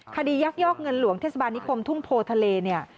คดียักษ์ยอกเงินหลวงเทศบาลนิคมทุ่มโทษทะเล